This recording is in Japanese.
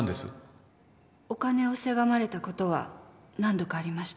お金をせがまれたことは何度かありました。